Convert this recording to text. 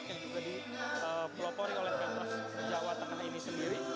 yang juga dipelopori oleh pemprov jawa tengah ini sendiri